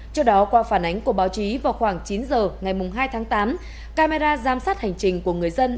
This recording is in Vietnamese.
trước đó qua phản ánh của báo chí vào khoảng chín h ngày hai tháng tám camera giám sát hành trình của người dân